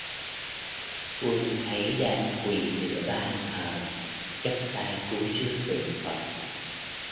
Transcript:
Quân thấy đang quỳ giữa ban thờ chắp tay cúi Trước Tượng Phật